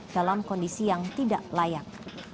dalam kondisi yang tidak layak